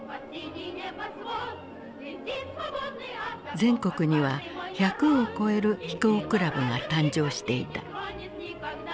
全国には１００を超える飛行クラブが誕生していた。